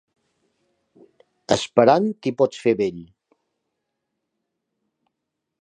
Esperant t'hi pots fer vell.